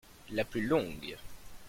La plus longue.